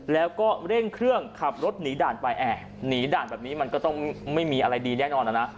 แล้วก็เร่งเครื่องขับรถหนีด่านไปหนีด่านแบบนี้มันก็ต้องไม่มีอะไรดีแน่นอนนะ